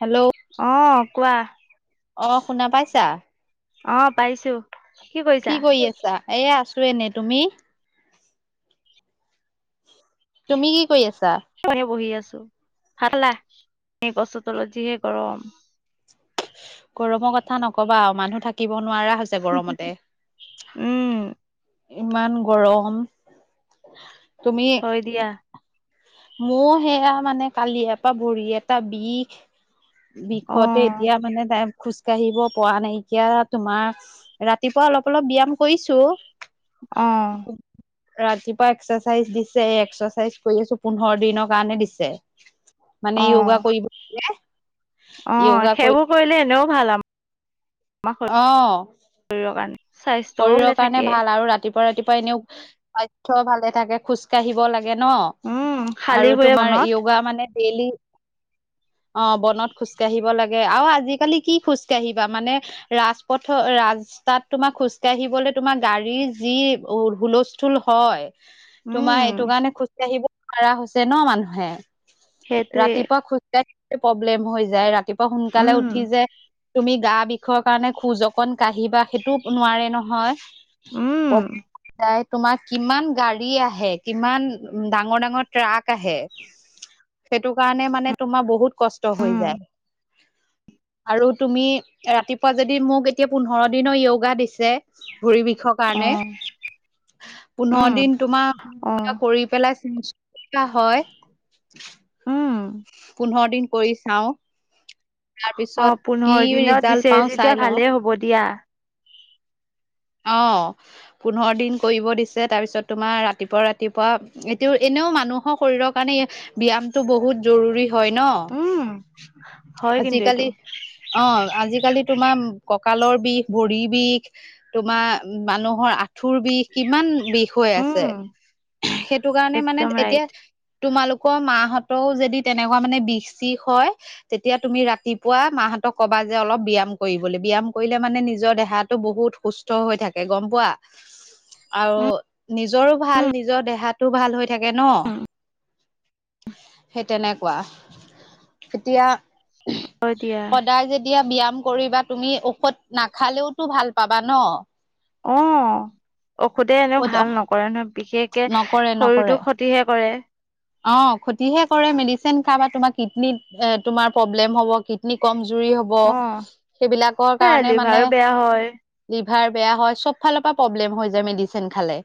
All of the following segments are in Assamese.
হেল্ল', অ', কোৱা। অ', শুনা পাইছা? অ', পাইছোঁ। কি কৰি আছা? এ, আছো এনে, তুমি। তুমি কি কৰি আছা? বহি আছো? চাহ খালা? এ, গছৰ তলত যিহে গৰম। গৰমৰ কথা নক'বা আৰু মানুহ থাকিব নোৱাৰা হৈ ছে গৰমতে উম ইমান গৰম। তুমি হয়। দিয়া। মোৰ সেয়া মানে কালি এপা ভৰি এটা বিষ। বিষতে অ' এতিয়া মানে তাই খোজকাঢ়িব পৰা নাইকিয়া তোমাৰ। ৰাতিপুৱা অলপ, অলপ ব্যায়াম কৰিছোঁ। অ' ৰাতিপুৱা এক্সাৰচাইজ দিছে। এক্সাৰচাইজ কৰিছো। পোন্ধৰ দিনৰ কাৰণে দিছে। মানে য়োগা অ' কৰিবেলে। অ', সেইবোৰ কৰিলে। এনেও ভাল আমাৰ অ, অ', শৰীৰৰ কাৰণে স্বাস্থ্যও শৰীৰৰ ভালে কাৰণে থাকে ভাল আৰু ৰাতিপুৱা, ৰাতিপুৱা এনেও স্বাস্থ্য ভালে থাকে। খোজকাঢ়িব লাগে ন। উম খালী আৰু ভৰিৰে তোমাৰ মনত য়োগা মানে ডেইলি অ', বনত খোজকাঢ়িব লাগে আৰু আজিকালি কি খোজকাঢ়িবা মানে ৰাজপথত, ৰাস্তাত তোমাৰ খোজ কাঢ়িবলে তোমাৰ গাড়ীৰ যি উ, হুলস্থূল হয়। তোমাৰ উম এইটো কাৰণে খোজকাঢ়িব নোৱাৰা হৈছে ন মানুহে সেইটোৱে ৰাতিপুৱা খোজকাঢ়ি প্ৰব্লেম হৈ যায়। ৰাতিপুৱা সোনকালে উম উঠি যে তুমি গা বিষৰ কাৰণে খোজ অকন কাঢ়িবা, সেইটো নোৱাৰে নহয়। উম [unintelligible] তোমাৰ কিমান গাড়ী আহে, কিমান ডাঙৰ, ডাঙৰ ট্ৰাক আহে। সেইটো কাৰণে মানে তোমাৰ বহুত কষ্ট হৈ উম যায়। আৰু তুমি ৰাতিপুৱা, যদি মোক এতিয়া পোন্ধৰ দিনৰ য়োগা দিছে। ভৰি বিষৰ কা কাৰণে। অ' উম পোন্ধৰ দিন তোমাৰ অ' কৰি পেলাই চাইছোঁ হয়। উম পোন্ধৰ দিন কৰি চাও। তাৰ অ' পিছত কি পোন্ধৰ দিনত দিছে ৰিজাল্ট পাও যেতিয়া চাই লওঁ। ভালেই হ'ব দিয়া। অ', পোন্ধৰ দিন কৰিব দিছে। তাৰপিছত তোমাৰ ৰাতিপুৱা ৰাতিপুৱা এতিয়াও এনেও মানুহৰ শৰীৰৰ কাৰণে এ, ব্যায়ামটো বহুত জৰুৰী হয়। ন, উম হয় কিন্তু এইটো আজিকালি অ', হয় আজিকালি তোমাৰ ককালৰ বিষ ভৰি বিষ তোমাৰ মানুহৰ আঁঠুৰ বিষ কিমান বিষ হৈ উম, আছে। [unintelligible] সেইটোকাৰণে মানে একদম এতিয়া ৰাইট। তোমালোকৰ মাহঁতৰো যদি তেনেকুৱা মানে বিষ চিষ হয় তেতিয়া তুমি ৰাতিপুৱা মাহতক ক'বা যে অলপ ব্যায়াম কৰিবলে, ব্যায়াম কৰিলে মানে নিজৰ দেহাটো বহুত সুস্থ হৈ থাকে গম পোৱা। আৰু নিজৰো উম, ভাল, নিজৰ দেহাটো ভাল হৈ থাকে ন'। সেই তেনেকুৱা। এতিয়া হয় দিয়া। সদায় যেদি যেতিয়া ব্যায়াম কৰিবা তুমি ঔষধ নাখালেওতো ভাল পাবা ন'। অ' ঔষধে এনেও ভাল নকৰে নহয় বিশেষকে নকৰে নকৰে শৰীৰটো তিহে কৰে। অ' ক্ষতিহে কৰে, মেডিচিন খাবা তোমাৰ কিডনীত তোমাৰ প্ৰব্লেম হ'ব কিত নী কমজুৰি হ'ব অ', সেইবিলাকৰ সেয়াই কাৰণে লিভাৰো মানে বেয়া হয়। লিভাৰ বেয়া হয়, চবফালৰ পৰা প্ৰব্লেম হৈ যায় মেডিচিন খালে।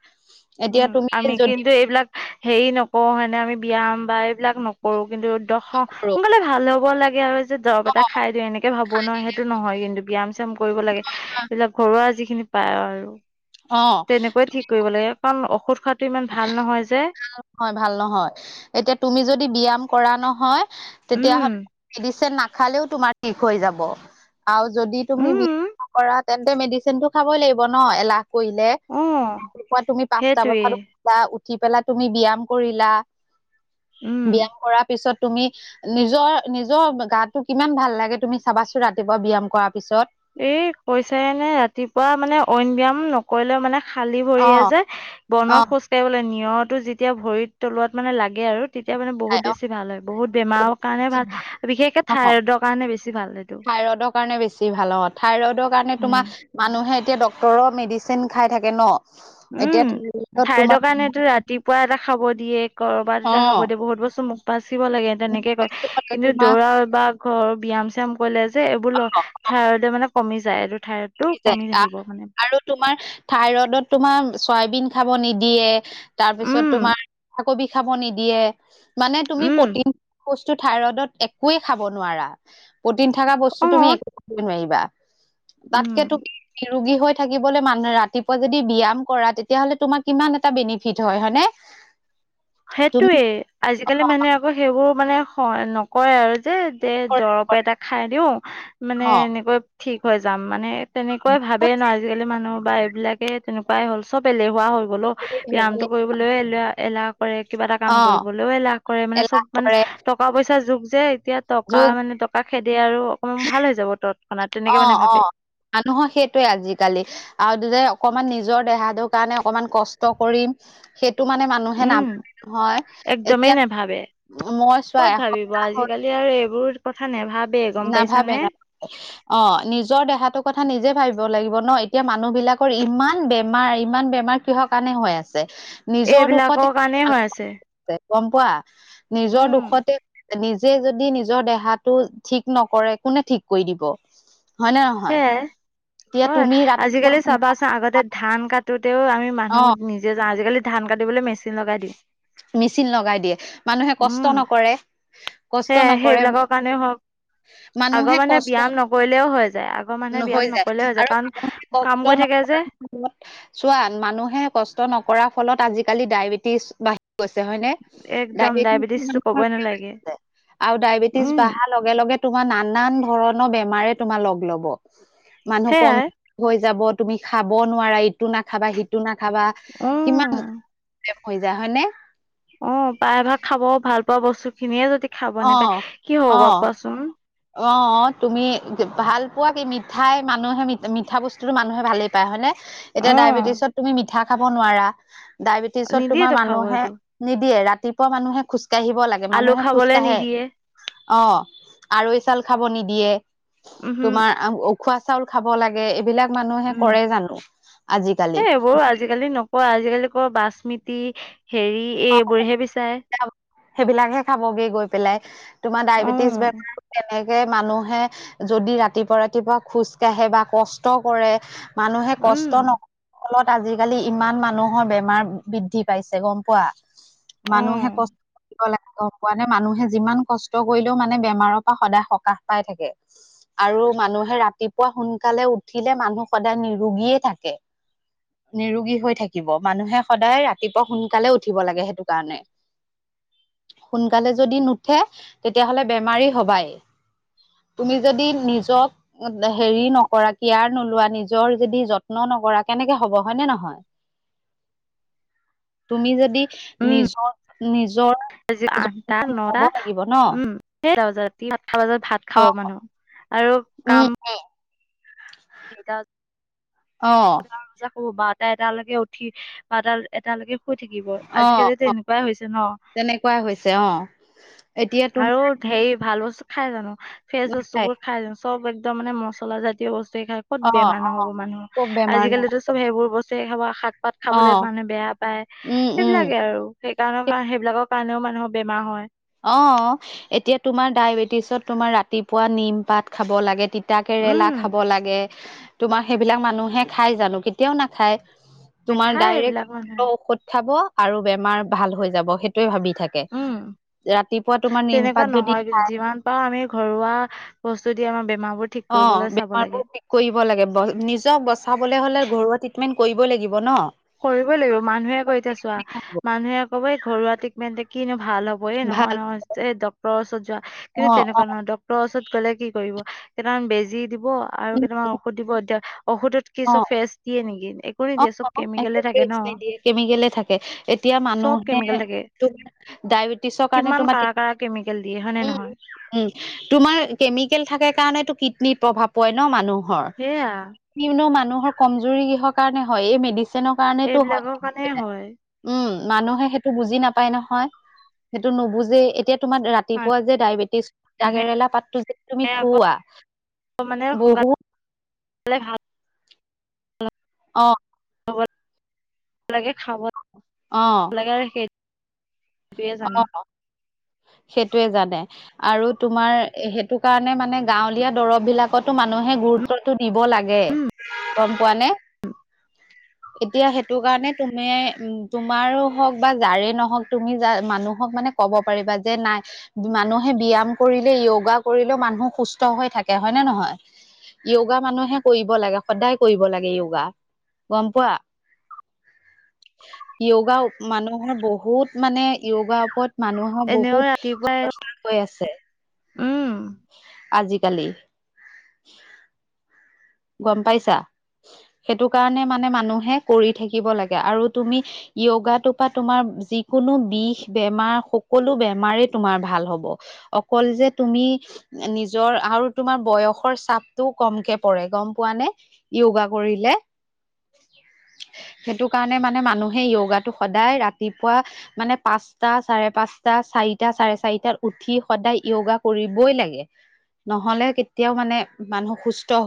উম, এতিয়া তুমি আমি যদি কিন্তু এইবিলাক হেৰি নকৰোঁ হয়নে, আমি ব্যায়াম বা এইবিলাক নক কৰোঁ কিন্তু দখ, কৰো মানে ভাল হ'ব লাগে আৰু যে দৰৱ এটা খাই দিও এনেক কে ভাবোঁ ন' সেইটো নহয় কিন্তু ব্যায়াম চ্যাম কৰিব লাগে, এইবিলাক ঘৰুৱা যিখিনি পায় আৰু। অ তেনেকৈয়ে ঠিক কৰিব লাগে কাৰণ ঔষধ খোৱাটো ইমান ভাল নহয় যে। হয় ভাল নহয়। এতিয়া তুমি যদি ব্যায়াম কৰা নহয় তেতিয়াহ'লে উম, মেডিচিন নাখালেও তোমাৰ ঠিক হৈ যাব আৰু যদি তুমি উম, [unintelligible] কৰা তেন্তে মেডিচিনটো খাবই লাগিব ন' এলাহ কৰিলে অ'। ৰাতিপুৱা তুমি পাঁচটা সেইটোৱেই বজাত বা উঠি পেলাই তুমি ব্যায়াম কৰিলা, উম ব্যায়াম কৰাৰ পিছত তুমি নিজৰ নিজৰ গাটো কিমান ভাল লাগে তুমি চাবাচোন ৰাতিপুৱা ব্যায়াম কৰাৰ পিছত। এই কৈছায়েনে ৰাতিপুৱা মানে অইন ব্যায়াম নকৰিলেও মানে খালি অ ভৰিয়ে যে অ বনত খোজ কাঢ়িব লাগে, নিয়ৰটো যেতিয়া ভৰিৰ তলুৱাত মানে লাগে আৰু তেতিয়া মানে বহুত বেছি ভাল হয়, বহুত বেমাৰৰ কাৰণে ভাল বিশেষকে থাইৰইডৰ কাৰণে বেছি ভাল সেইটো। থাইৰইডৰ কাৰণে বেছি ভাল অ'। থাইৰইডৰ কাৰণে উম তোমাৰ মানুহে এতিয়া ডক্তৰৰ মেডিচিন খাই থাকে ন'। এতিয়া [unintelligible] তোমাৰ পুৱা এটা খাব দিয়ে, ক'ৰবাত অ এটা খাব দিয়ে বহুত বস্তু মু পাচিব লাগে তেনেকে কয় কিন্তু দৌৰা অভ্যাস ঘৰৰ ব্যায়াম চায়াম কৰিলে যে এইবোৰ ল থাইৰইড মানে কমি যায়, এইটো থাইৰয়ড [unintelligible] আৰু তোমাৰ থাইৰডত তোমাৰ চয়াবিন খাব নিদিয়ে। তাৰপিছত উম তোমাৰ কবি খাব নিদিয়ে মানে তুমি উম, প্ৰটিন বস্তু থাইৰইডত একোৱে খাব নোৱাৰা, প্ৰটিন থাকা বস্তু তুমি অ', একো একোৱে নোৱাৰিবা, তাতকে উম। তুমি [unintelligible] ৰোগী হৈ থাকিবলৈ মানুহ ৰাতিপুৱা যদি ব্যায়াম কৰা তেতিয়াহ'লে তোমাৰ কিমান এটা বেনিফিট হয় হয়নে? [inaudible] তুমি সেইটোয়েই, আজিকালি মানুহে আকৌ সেইবোৰ মানে শৈ নক কয় আৰু যে দে কৰা দৰৱ কৰা, এটা খাই দিও মানে অ', এনেকৈ ঠিক হৈ যাম মানে তেনেকুৱাই ভাবেই ন' আজিকালি মানুহ বা এইবিলাকে তেনেকুৱাই হ'ল, চব এলেহুৱা হৈ গ'ল অ' ব্যায়ামটো কৰিবলৈও এলেহুৱা এলাহ কিবা এটা কাম অ', কৰিবলৈও এলাহ কৰে মানে চব এলাহ মানে কৰে টকা পইচাৰ যুগ যে এতিয়া টকা যোগ মানে টকা খেদে আৰু অকমান ভাল হৈ যাব তত অ', অ' মানুহৰ সেইটোৱে আজিকালি আৰু যে অকমান নিজৰ দেহাটোৰ কাৰণে অকমান কষ্ট কৰিম সেইটো মানে মান নুহে উম, নাভাবে নহয়, একদমেই এতিয়া মই চোৱা এস ব আজিকালি আৰু এইবোৰ কথা নেভাবে গম নাভাবে পাইছানে। [inaudible] অ' নিজৰ দেহাটোৰ কথা নিজে ভাবিব লাগিব ন' এতিয়া মানুহ বিলাকৰ ইমান বেমাৰ, ইমান বেমাৰ কিহৰ কাৰণে হৈ আছে, নিজৰ এইবিলাকৰ দুখতে কাৰণেই হৈ আছে। [inaudible] তে গম পোৱা নিজৰ দুখতে, নিজে যদি নিজৰ দেহাটো ঠিক নকৰে কোনে ঠিক কৰি দিব হয় নে নহয়? সেয়াই এতিয়া হয় তুমি ৰাতিপুৱা আজিকালি সোনকালে চাবাচোন, আগতে ধান কাটোতেও আমি মানুহ অ', নিজে নিজে যাওঁ, আজিকালি ধান কাটিবলৈ মেচিন লগাই দিওঁ মেচিন লগাই দিয়ে মানুহে কষ্ট উম নকৰে, সে কষ্ট নকৰে [unintelligible] আগৰ মানুহে ব্যায়াম নকৰিলেও হৈ যায়, আগৰ মানুহে হৈ ব্যায়াম নকৰিলেও হৈ যায় আৰু কাৰণ কষ্ট কাম কৰি থাকে যে চোৱা মানুহে কষ্ট নকৰা ফলত আজিকালি ডায়বেটিছ বাহি গৈছে হয়নে, একদম ডায়বেটিছ ডায়েবেটিছটো মানুহৰ ক'বই কিয় নালাগে হৈছে আৰু ডায়বেটিছ উম বাহা লগে লগে তোমাৰ নানান ধৰণৰ বেমাৰে তোমাৰ লগ লব মানুহ কম সেয়াই হৈ যাব তুমি খাব নোৱাৰা ইটো নাখাবা, সিটো নাখাবা কিমান উম [unintelligible] হয় নে? অ' প্ৰায়ভাগ খাব ভাল পোৱা বস্তু খিনিয়ে যদি খাব অ নোপায়, কি হব বাৰু কোৱাচোন? অ' অ' তুমি ভাল পোৱা বি মিঠাই মানুহে মি-মিঠা বস্তুতো মানুহে ভালেই পায় হয়নে এতিয়া অ'। ডায়েবেটিছত তুমি মিঠা খাব নোৱাৰা, ডায়েবেটিছত তোমাৰ নিদিয়েতো খাব মানুহে এইটো, নিদিয়ে ৰাতিপুৱা মানুহে খোজকাঢ়িব লাগে, আলু মানুহে খাবলে খোজকাঢ়ে নিদিয়ে। অ' আৰৈ চাউল খাব নিদিয়ে, উহু, তোমাৰ উখোৱা চাউল খাব লাগে এইবিলাক মানুহে উম। কৰে জানো আজিকালি অ' আজিকালি কৰ বাচমিতি হেৰি অ' [unintelligible] এইবোৰহে বিচাৰে। সেইবিলাকহে খাবগে গৈ পেলাই তোমাৰ ডায়বেটিছ অ', বেমাৰ তেনেকে মানুহে যদি ৰাতিপুৱা, ৰাতিপুৱা খোজ কাঢ়ে বা কষ্ট কৰে মানুহে কষ্ট উম। নক ফলত, আজিকালি ইমান মানুহৰ বেমাৰ বৃদ্ধি পাইছে গম পোৱা মানুহে অ'। কষ্ট কৰিব লাগে গম পোৱা নে, মানুহে যিমান কষ্ট কৰিলেও মানে বেমাৰৰ পৰা সদায় সকাহ পাই থাকে আৰু মানুহে ৰাতিপুৱা সোনকালে উঠিলে, মানুহ সদায় নিৰোগীয়ে থাকে নিৰোগী হৈ থাকিব, মানুহে সদায় ৰাতিপুৱা সোনকালে উঠ উঠিব লাগে সেইটো কাৰণে সোনকালে যদি নুঠে, তেতিয়াহলে বেমাৰী হবাই তুমি যদি নিজক হেৰি নকৰা, কয়াৰ নোলোৱা, নিজৰ যদি যত্ন নকৰা কেনেকে হব হয়নে নহয়। তুমি যদি উম। নিজৰ, নিজৰ আজি আঠটা, যত্নটো নটা, ল'ব লাগিব ন। [unintelligible] ভাত খাব মানুহ আৰু অ'। [unintelligible] অ'। [unintelligible] বাৰটা, এটালৈকে উঠি বাৰটা এটালৈকে শুই থাকিব অ আজিকালি যে' এনেকুৱাই হৈছে ন, তেনেকুৱা হৈছে অ এতিয়া তুমি আৰু হেৰি ভাল বস্তু খাই জানো, ফ্ৰেচ বস্তু বোৰ খাই জানো, চব একদম মানে মচলা জাতীয় বস্তুৱয়ে খাই ক'ত অ বেমাৰ অ নহ'ব মানুহ, ক'ত বেমাৰ নহয় আজিকালিতো চ'ব সেইবোৰ বস্তুহে খাব শাক পাত অ খাবলে মানে বেয়া পায় উম উম সেইবিলাকে আৰু সেইকাৰণৰ পৰা সেইবিলাকৰ কাৰণেও মানুহৰ বেমাৰ হয় অ' এতিয়া তোমাৰ ডায়বেটিছত তোমাৰ, ৰাতিপুৱা নিম পাত খাব লাগে তে তিতাকেৰেলা উম খাব লাগে, তোমাৰ সেইবিলাক মানুহে খাই জানো, কেতিয়াও নাখায়। তোমাৰ নেখায় এইবিলাক ডাইৰেক্ট মানুহে ঔষধ খাব আৰু বেমাৰ ভাল হৈ যাব, সেইটোৱে ভাবি থাকে। উম ৰাতিপুৱা তোমাৰ তেনেকুৱা নিমপাত যদি নহয় কিন্তু, যিমান পাৰোঁ আমি ঘৰুৱা বস্তু দি আমাৰ বেমাৰবোৰ ঠিক অ', কৰিবলৈ চাব বেমাৰবোৰ লাগে ঠিক কৰিব লাগে, নিজক বচাবলে হ'লে ঘৰুৱা ট্ৰিটমেন্ট কৰিবই লাগিব ন। কৰিবই লাগিব, মানুহে কয় এতিয়া চোৱা, মানুহে ক'ব এই ঘৰুৱা ট্ৰিটমেণ্টে কিনো ভাল হ'ব নহয় ভাল নহয় এই ডক্টৰৰ ওচৰত যোৱা, অ কিন্তু, তেনেকুৱা নহয় ডক ডক্টৰ ওচৰত গ'লে কি কৰিব, কেইটামান বেজি দিব আৰু কেইটামান ঔষধ দিব এতিয়া, ঔষধত কি অ চব ফ্ৰেছ দিয়ে নেকি, একো অ অ নিদিয়ে চব একো কেমিকেলে [unintelligible] থাকে ন নিদিয়ে, কেমিকেলে থাকে, এতিয়া চব মানুহে কেমিকেল থাকে ডায়বেটিছৰ কাৰণে কিমান তোমাৰ [unintelligible] কাৰা কাৰা কেমিকেল দিয়ে হয়নে উম, উম। নহয় উম, তোমাৰ কেমিকেল থাকে কাৰণেটো কিডনীত প্ৰভাৱ পৰে ন মানুহৰ। সেয়া কিনো মানুহৰ কমজুৰি কিহৰ কাৰণে হয়, এই মেডিচিনৰ কাৰনেটো হয় এইবিলাকৰ কাৰণে হয় [inaudible] উম, মানুহে সেইটো বুজি নাপায় নহয়, সেইটো নোবোজেই, এতিয়া তোমাৰ ৰাতিপুৱা যে ডায়েবেটিছ মানুহে তিতাকেৰেলা পাতটোযে তুমি আকৌ খোঁওৱা [unintelligible] অ'। [unintelligible] অ'। [inaudible] সেইটোয়ে জানে। অ', সেইটোয়ে জানে। আৰু তোমাৰ সেইটো কাৰণে মানে গাঁৱলীয়া দৰৱবিলাকতো মানুহে গুৰুত্ব ত্বটো দিব লাগে উম গম পোৱানে? এতিয়া সেইটো কাৰণে তুমি তোমাৰো হওঁক বা যাৰে নহওঁক তুমি যাক মানুহক মানে ক'ব পাৰিবা যে নাই মানুহে ব্যায়াম কৰিলে, য়োগা কৰিলেও, মানুহ সুস্থ হৈ থাকে হয় নে নহয়? য়োগা মানুহে কৰিব লাগে, সদায় কৰিব লাগে য়োগা। গম পোৱা? য়োগা মানুহে বহুত মানে, য়োগাৰ ওপৰত মানুহৰ এনেও বহুত ৰাতিপুৱাই চৰ্চা হৈ আছে, আজিকালি। গম পাইছা? সেইটো কাৰণে মানে মানুহে কৰি থাকিব লাগে, আৰু তুমি য়োগাটো পা তোমাৰ যিকোনো বিষ, বেমাৰ, সকলো বেমাৰে তোমাৰ ভাল হ'ব। অকল যে তুমি, নিজৰ আৰু তোমাৰ বয়সৰ চাপটোও কমকে পৰে। গম পোৱানে, য়োগা কৰিলে সেইটো কাৰণে মানে মানুহে য়োগাটো সদায় ৰাতিপুৱা মানে পাঁচটা, চাৰে পাঁচটা, চাৰিটা, চাৰে চাৰিটাত উঠি সদায় য়োগা কৰিবই লাগে। নহ'লে কেতিয়াও মানে মানুহ সুস্থ